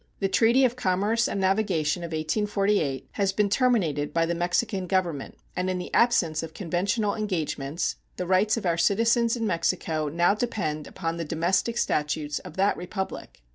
The treaty of commerce and navigation of 1848 has been terminated by the Mexican Government, and in the absence of conventional engagements the rights of our citizens in Mexico now depend upon the domestic statutes of that Republic.